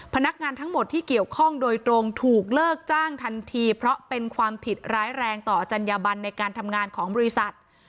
พนักงานทั้งหมดที่เกี่ยวข้องโดยตรงถูกเลิกจ้างทันทีเพราะเป็นความผิดร้ายแรงต่อจัญญบันในการทำงานของบริษัท